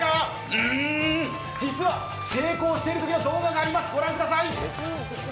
うーん、実は成功している動画があります、御覧ください。